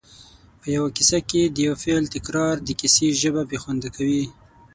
په یوه کیسه کې د یو فعل تکرار د کیسې ژبه بې خونده کوي